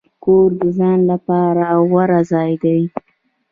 کور د ځان لپاره غوره ځای دی.